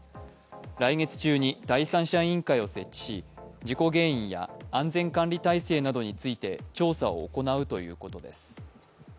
来月中に第三者委員会を設置し事故原因や安全管理体制などについて調査を行うということです。